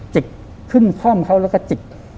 จิกขึ้นคล่อมเขาแล้วก็จิก